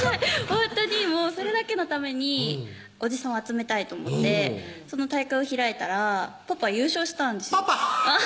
ほんとにそれだけのためにおじさんを集めたいと思ってその大会を開いたらパパ優勝したんですよパパ？